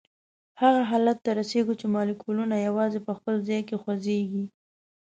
هغه حالت ته رسیږو چې مالیکولونه یوازي په خپل ځای کې خوځیږي.